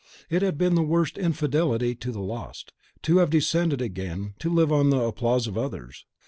It had been the worst infidelity to the Lost, to have descended again to live on the applause of others.